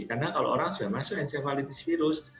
karena kalau orang sudah masuk encephalitis virus